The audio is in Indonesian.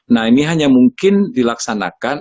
nah ini hanya mungkin dilaksanakan